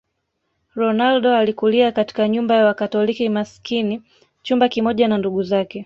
Ronaldo alikulia katika nyumba ya Wakatoliki masikini chumba kimoja na ndugu zake